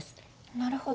なるほど。